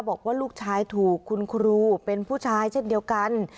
บอกว่าลูกชายถูกคุณครูเป็นผู้ชายเช่นเดียวกัน